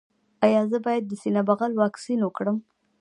ایا زه باید د سینه بغل واکسین وکړم؟